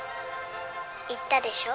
言ったでしょ。